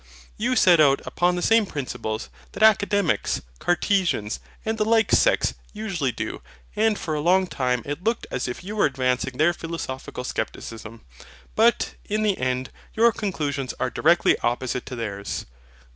You set out upon the same principles that Academics, Cartesians, and the like sects usually do; and for a long time it looked as if you were advancing their philosophical Scepticism: but, in the end, your conclusions are directly opposite to theirs.